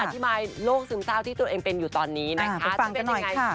อธิบายโลกซึมเศร้าที่ตัวเองเป็นอยู่ตอนนี้นะคะ